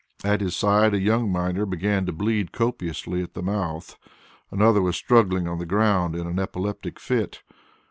At his side a young miner began to bleed copiously at the mouth; another was struggling on the ground in an epileptic fit.